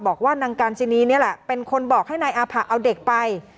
บอกว่านางกาญจินีนี่แหละเป็นคนบอกให้นายอาผะเอาเด็กไป